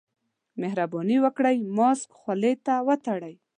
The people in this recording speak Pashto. مهرباني وکړئ، ماسک خولې ته وتړئ.